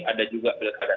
ada juga pendekatan